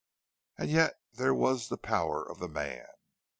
And yet there was the power of the man.